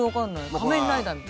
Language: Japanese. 仮面ライダーみたい。